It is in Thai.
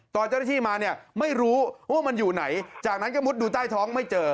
ตอนเจ้าหน้าที่มาเนี่ยไม่รู้ว่ามันอยู่ไหนจากนั้นก็มุดดูใต้ท้องไม่เจอ